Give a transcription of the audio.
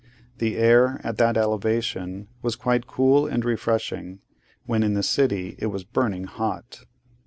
The air, at that elevation, was quite cool and refreshing, when in the city it was burning hot.